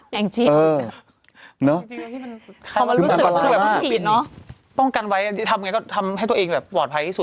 แหงจีนนึกจริงไหมพี่เป็นที่มันต้องกันไว้ทำให้ตัวเองปลอดภัยที่สุด